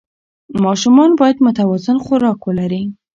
ماشومان باید متوازن خوراک ولري.